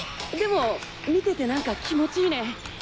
でも見てて何か気持ちいいね。